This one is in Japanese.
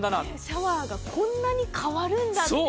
シャワーがこんなに変わるんだって。